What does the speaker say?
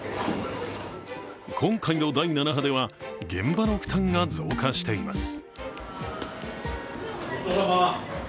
今回の第７波では、現場の負担が増加しています。